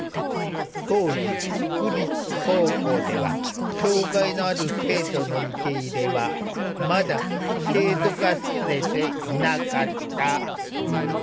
当時府立高校では障害のある生徒の受け入れはまだ制度化されていなかった。